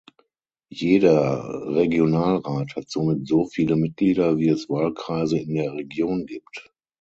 Jeder Regionalrat hat somit so viele Mitglieder wie es Wahlkreise in der Region gibt.